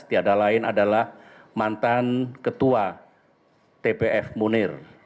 tiada lain adalah mantan ketua tpf munir